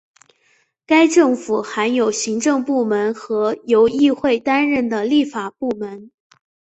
该政府含有行政部门和由议会担任的立法部门。